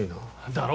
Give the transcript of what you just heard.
だろ？